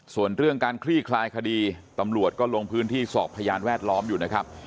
ส่วนเรื่องการคลี่คลายคดีตำรวจก็ลงพื้นที่สอบพยานแวดล้อมอยู่นะครับ